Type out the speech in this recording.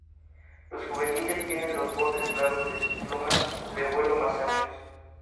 Los juveniles tienen los bordes claros de sus plumas de vuelo más anchos.